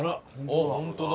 あっホントだ。